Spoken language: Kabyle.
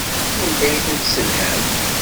Anda ay ten-tesselhamt?